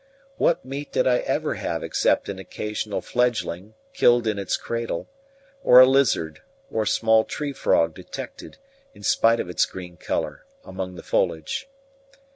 What meat did I ever have except an occasional fledgling, killed in its cradle, or a lizard, or small tree frog detected, in spite of its green colour, among the foliage?